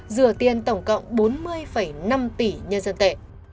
rửa tiền tổng cộng bốn mươi năm tỷ nhân dân tệ